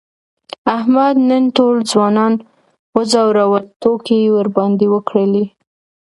احمد نن ټول ځوانان و ځورول، ټوکې یې ورباندې وکړلې.